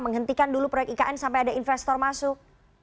menghentikan dulu proyek ikn sampai ada investor masuk